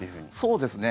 そうですね。